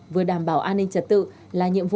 vừa đảm bảo an ninh trật tự là nhiệm vụ